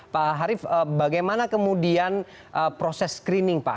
pak harif bagaimana kemudian proses screening pak